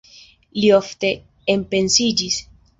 Li ofte enpensiĝis.